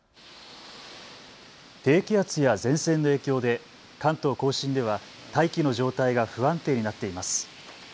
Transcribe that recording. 低気圧や前線の影響で関東甲信では大気の状態が不安定になっています。